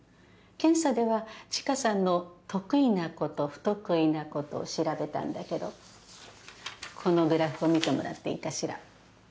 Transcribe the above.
検査では知花さんの得意なこと不得意なことを調べたんだけどこのグラフを見てもらっていいかしら。